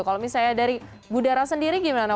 kalau misalnya dari budara sendiri gimana